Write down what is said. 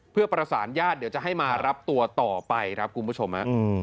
เพื่อประสานญาติเดี๋ยวจะให้มารับตัวต่อไปครับคุณผู้ชม